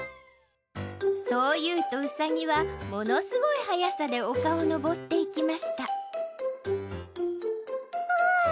そう言うとうさぎはものすごい速さで丘を上っていきましたうわぁ